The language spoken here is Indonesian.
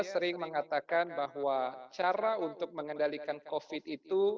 saya sering mengatakan bahwa cara untuk mengendalikan covid itu